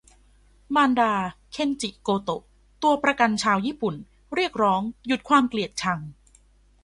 มารดา "เคนจิ โกโตะ" ตัวประกันชาวญี่ปุ่น เรียกร้องหยุดความเกลียดชัง